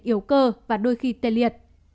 yếu cơ và đôi khi tê liệt